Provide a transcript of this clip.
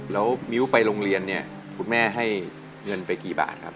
แล้วมิ้วไปโรงเรียนเนี่ยคุณแม่ให้เงินไปกี่บาทครับ